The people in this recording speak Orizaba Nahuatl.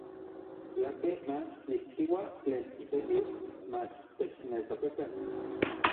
Tlakej mach nikchiua tlen itekiu, mach techneltokakan.